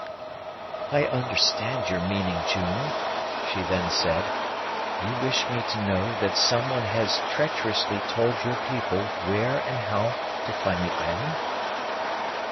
"I understand your meaning, June," she then said; "you wish me to know that some one has treacherously told your people where and how to find the island?"